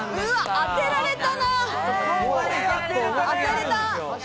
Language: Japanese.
当てられたな。